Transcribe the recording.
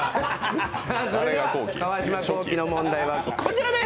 川島後期の問題はこちらです。